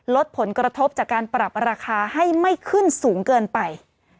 ลดผลกระทบจากการปรับราคาให้ไม่ขึ้นสูงเกินไป